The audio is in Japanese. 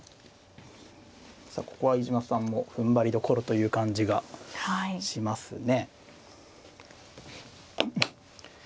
さあここは飯島さんもふんばりどころという感じがしますね。